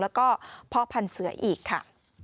และก็พ่อพันธุ์เสื้ออีกค่ะ